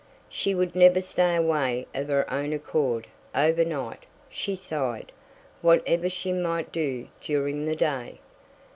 "She would never stay away of her own accord over night," she sighed, "whatever she might do during the day."